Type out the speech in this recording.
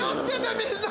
みんな。